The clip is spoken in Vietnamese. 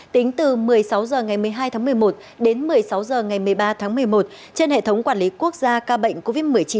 tính từ một mươi sáu h ngày một mươi hai tháng một mươi một đến một mươi sáu h ngày một mươi ba tháng một mươi một trên hệ thống quản lý quốc gia ca bệnh covid một mươi chín